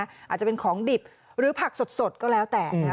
อาจจะเป็นของดิบหรือผักสดก็แล้วแต่นะครับ